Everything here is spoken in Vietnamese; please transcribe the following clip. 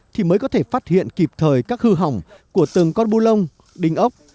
thì mới có thể phát hiện kịp thời các hư hỏng của từng con bu lông đình ốc